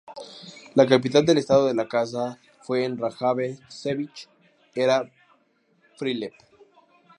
La capital del estado de la casa fue Mrnjavčević era Prilep.